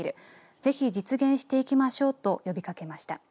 ぜひ実現させていきましょうと呼びかけました。